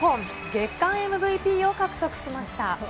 月間ＭＶＰを獲得しました。